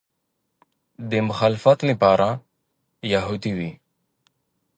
د مخالفت لپاره یهودي وي.